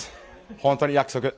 本当に約束。